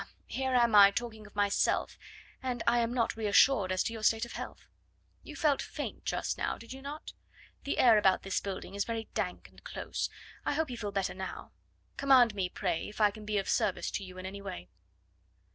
here am I talking of myself, and I am not re assured as to your state of health. You felt faint just now, did you not? The air about this building is very dank and close. I hope you feel better now. Command me, pray, if I can be of service to you in any way."